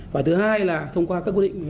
và thứ hai là thông qua các quy định